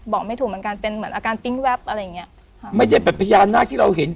ไม่ถูกเหมือนกันเป็นเหมือนอาการปิ๊งแวบอะไรอย่างเงี้ยค่ะไม่ได้แบบพญานาคที่เราเห็น